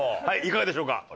はいいかがでしょうか？